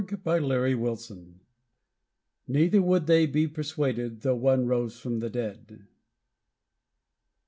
A RESURRECTION Neither would they be persuaded, though one rose from the dead.